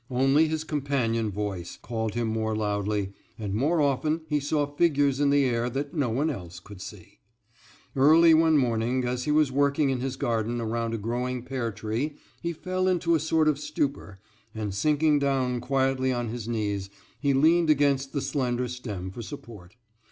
Only his companion voice called him more loudly, and more often he saw figures in the air that no one else could see. Early one morning, as he was working in his garden around a growing pear tree, he fell into a sort of stupor, and sinking down quietly on his knees he leaned against the slender stem for support.